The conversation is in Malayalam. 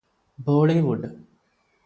ബോളിവുഡ്